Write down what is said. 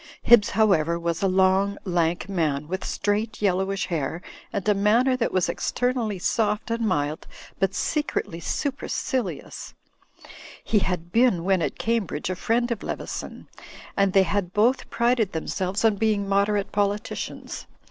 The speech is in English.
Hibbs However was a long, lank man, with straight, u,y,u.«u by Google loo THE FLYING INN yellowish hair and a manner that was externally soft and mild but secretly supercilious. He had been, when at Cambridge, a friend of Leveson, and they had both prided themselves on being moderate politicians.